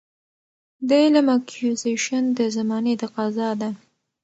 د علم Acquisition د زمانې تقاضا ده.